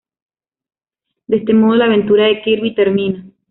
De este modo, la aventura de Kirby termina.